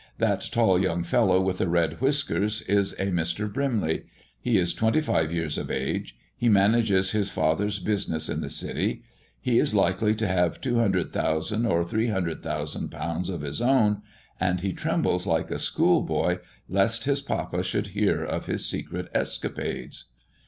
"That tall young fellow with the red whiskers is a Mr. Brimley; he is twenty five years of age; he manages his father's business in the city; he is likely to have £200,000 or £300,000 of his own, and he trembles like a school boy lest his papa should hear of his secret escapades."